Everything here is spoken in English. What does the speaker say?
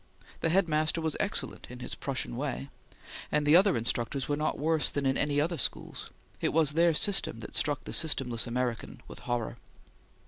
The head master was excellent in his Prussian way, and the other instructors were not worse than in other schools; it was their system that struck the systemless American with horror.